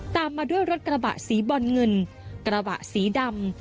ตามมาด้วยรถกระบะสีบอลเงินกระบะสีดำ